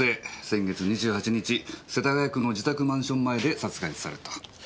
先月２８日世田谷区の自宅マンション前で殺害された。